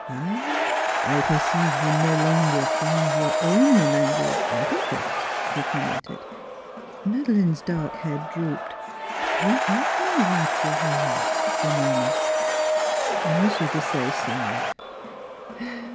" Ah ! I perceive you no longer find your own language adequate," he commented. Madeleine's dark head drooped. " We have no word for home," she murmured. M. Desaye sighed.